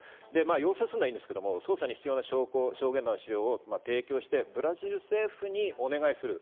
要請するのはいいんですけど、捜査に必要な証拠や証言などを提供してブラジル政府にお願いする。